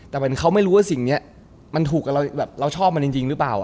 แต่เป็นเขาไม่รู้ว่าสิ่งเนี่ยมันถูกเราชอบมันจริงรึเปล่า